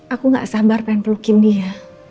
aku gak sabar pengen pelukin dia